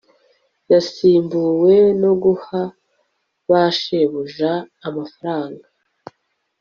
yasimbuwe no guha ba shebuja amafaranga